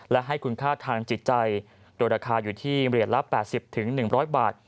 และให้คุณค่าทางจิตใจโดยราคาอยู่ที่๑๐๐๘๐บาท